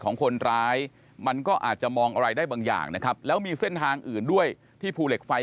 ของคนร้ายมันก็อาจจะมองอะไรได้บางอย่างนะครับแล้วมีเส้นทางอื่นด้วยที่ภูเหล็กไฟ